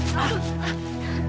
pak udah katakan hal itu